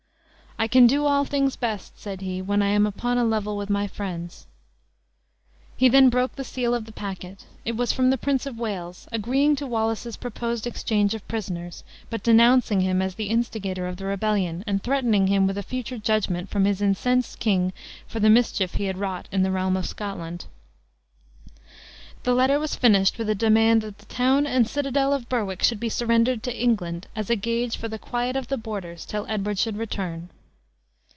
"I can do all things best," said he, "when I am upon a level with my friends." He then broke the seal of the packet. It was from the Prince of Wales, agreeing to Wallace's proposed exchange of prisoners, but denouncing him as the instigator of the rebellion, and threatening him with a future judgment from his incensed king for the mischief he had wrought in the realm of Scotland. The letter was finished with a demand that the town and citadel of Berwick should be surrendered to England, as a gauge for the quiet of the borders till Edward should return.